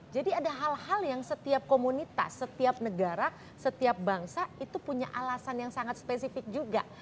jadi ada hal hal yang setiap komunitas setiap negara setiap bangsa itu punya alasan yang sangat spesifik juga